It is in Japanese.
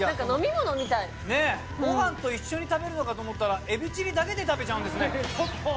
ご飯と一緒に食べるのかと思ったらエビチリだけで食べちゃうんですね。